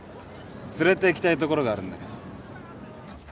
連れていきたいところがあるんだけど。